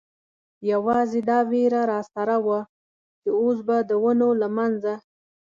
یوازې دا وېره را سره وه، چې اوس به د ونو له منځه.